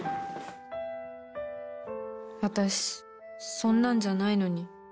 私そんなんじゃないのに